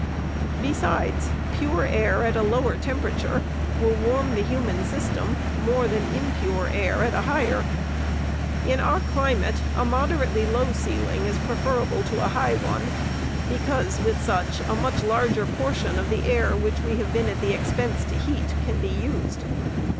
Besides, pure air at a lower temperature will warm the human system more than im pure air at a higher. In our climate, a moderately low ceiling is preferable to a high one, because, with such, a much larger portion of the air which we have been at the expense to heat can be used.